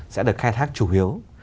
sẽ được khai thác chủ yếu